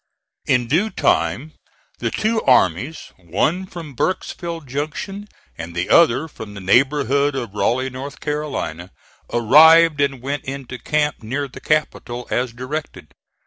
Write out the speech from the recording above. In due time the two armies, one from Burkesville Junction and the other from the neighborhood of Raleigh, North Carolina, arrived and went into camp near the Capital, as directed.